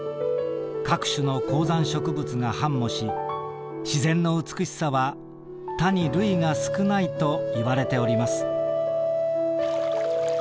各種の高山植物が繁茂し自然の美しさは他に類が少ないと言われております」。